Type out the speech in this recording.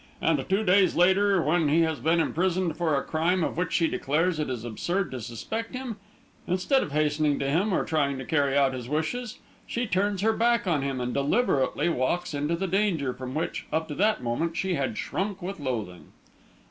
And two days later, when he has been imprisoned for a crime of which she declares it is absurd to suspect him, instead of hastening to him or trying to carry out his wishes, she turns her back on him and deliberately walks into the danger from which, up to that moment, she had shrunk with loathing.